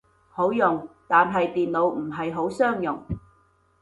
好用，但係電腦唔係好相容